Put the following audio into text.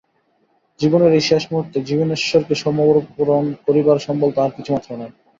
জীবনের এই শেষ মুহূর্তে জীবনেশ্বরকে সমরণ করিবার সম্বল তাহার কিছুমাত্র নাই।